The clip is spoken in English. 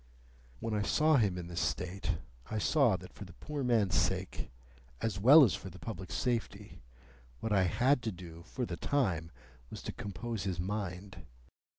When I saw him in this state, I saw that for the poor man's sake, as well as for the public safety, what I had to do for the time was to compose his mind.